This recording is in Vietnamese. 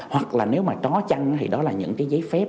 hoặc là nếu mà có chăng thì đó là những cái giấy phép